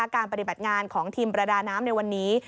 ปฏิบัติงานของทีมประดาน้ำในวันนี้